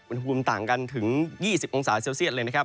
อุณหภูมิต่างกันถึง๒๐องศาเซลเซียตเลยนะครับ